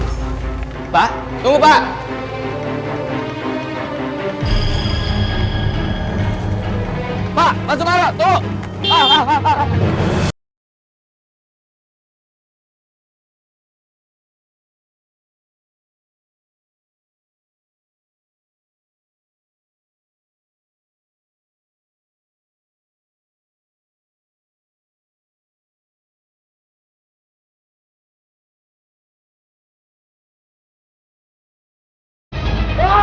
mba tunggu mba